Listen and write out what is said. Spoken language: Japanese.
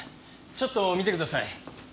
ちょっと見てください。